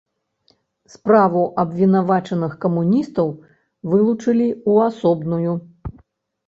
Справу абвінавачаных-камуністаў вылучылі ў асобную.